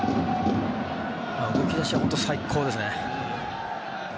動き出しは本当、最高ですね。